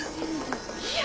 いや！